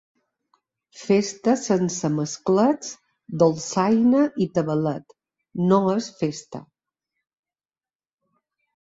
Festa sense masclets, dolçaina i tabalet, no és festa.